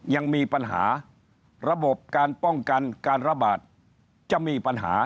ยังมีปัญหาระบบการป้องกันการระบาดจะมีปัญหา